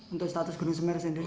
untuk status gunung semeru sendiri